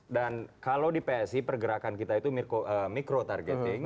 dan kalau di psi pergerakan kita itu micro targeting